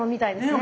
ね。